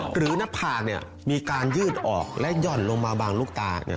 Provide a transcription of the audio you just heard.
หน้าผากมีการยืดออกและหย่อนลงมาบางลูกตา